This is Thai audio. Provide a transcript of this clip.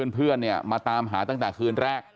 เพื่อนเนี่ยมาตามหาตั้งแต่คืนแรก